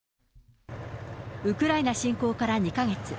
ウクライナ侵攻から２か月。